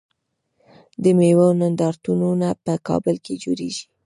د میوو نندارتونونه په کابل کې جوړیږي.